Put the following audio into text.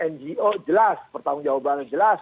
ngo jelas pertanggung jawabannya jelas